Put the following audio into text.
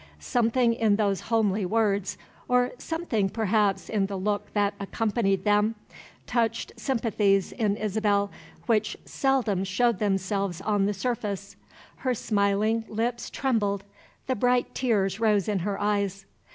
Something in those homely words, or something perhaps in the look that accompanied them, touched sympathies in Isabel which seldom showed themselves on the surface. Her smiling lips trembled, the bright tears rose in her eyes.